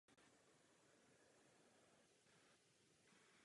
Tento je následně digitálně zpracováván.